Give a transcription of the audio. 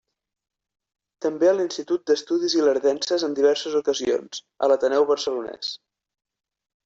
També a l'Institut d'Estudis Ilerdenses en diverses ocasions, a l'Ateneu Barcelonès.